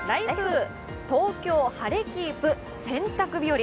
東京、晴れキープ洗濯日和。